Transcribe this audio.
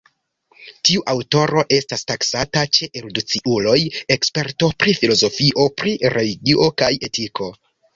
Tiu aŭtoro estas taksata, ĉe erudiciuloj, eksperto pri filozofio, pri religio kaj etiko.